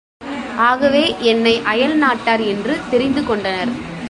ஆகவே, என்னை அயல்நாட்டார் என்று தெரிந்து கொண்டனர்.